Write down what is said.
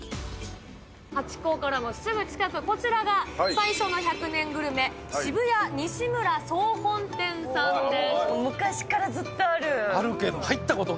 ハチ公からもすぐ近く、こちらが最初の１００年グルメ、渋谷西村そう本店さんです。